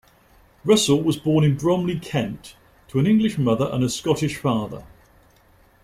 Russell was born in Bromley, Kent to an English mother and a Scottish father.